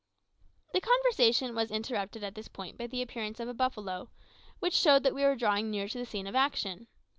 The conversation was interrupted at this point by the appearance of a buffalo, which showed that we were drawing near to the scene of action.